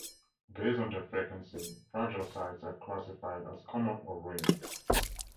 Based on their frequency, fragile sites are classified as "common" or "rare".